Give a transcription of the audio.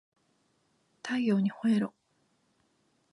太陽にほえろ